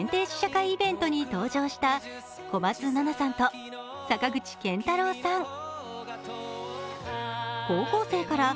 試写会イベントに登場した小松菜奈さんと坂口健太郎さん。